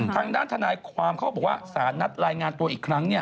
ทางด้านทนายความเขาบอกว่าสารนัดรายงานตัวอีกครั้ง